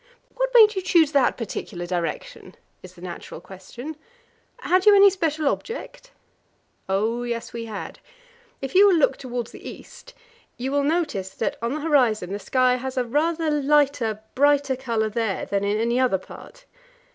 "What made you choose that particular direction?" is the natural question. "Had you any special object?" "Oh yes, we had. If you will look towards the east, you will notice that on the horizon the sky has a rather lighter, brighter colour there than in any other part.